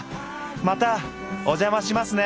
またお邪魔しますね！